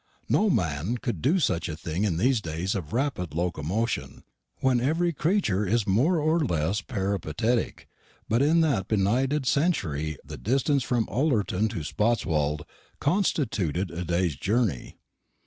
No man could do such a thing in these days of rapid locomotion, when every creature is more or less peripatetic; but in that benighted century the distance from Ullerton to Spotswold constituted a day's journey.